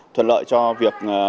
thuận lợi cho việc